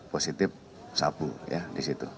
positif sabu ya di situ